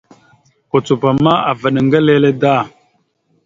Kucupa ma avaɗ ŋga lele da.